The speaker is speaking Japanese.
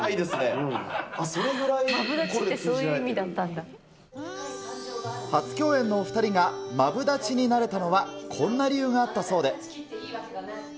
マブダチってそういう意味だ初共演のお２人が、マブダチになれたのは、こんな理由があったそうで。